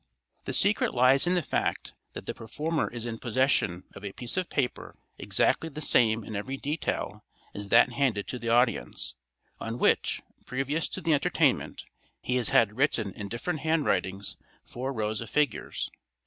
The secret lies in the fact that the performer is in possession of a piece of paper exactly the same in every detail as that handed to the audience, on which, previous to the entertainment, he has had written in different handwritings four rows of figures.